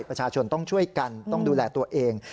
ประชาชนต้องช่วยกันต้องดูแลตัวเอง